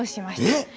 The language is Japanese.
えっ？